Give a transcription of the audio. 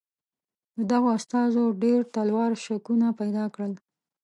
د دغو استازو ډېر تلوار شکونه پیدا کړل.